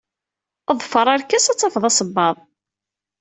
Ḍfeṛ arkas, ad tafeḍ asebbaḍ.